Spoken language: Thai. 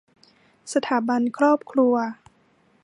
สถาบันครอบครัว